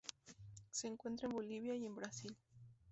Se encuentra en Bolivia y en Brasil.